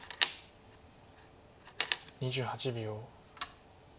２８秒。